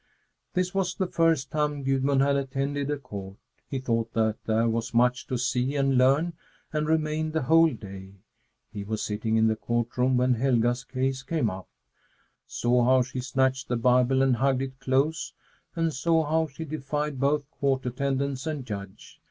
This was the first time Gudmund had attended a Court. He thought that there was much to see and learn, and remained the whole day. He was sitting in the court room when Helga's case came up; saw how she snatched the Bible and hugged it close, and saw how she defied both court attendants and Judge.